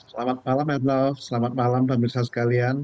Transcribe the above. selamat malam hednov selamat malam pemirsa sekalian